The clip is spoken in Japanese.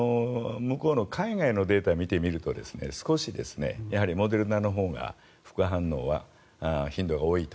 海外のデータを見てみると少しモデルナのほうが副反応は頻度が多いと。